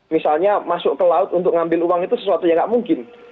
misalnya masuk ke laut untuk ngambil uang itu sesuatu yang nggak mungkin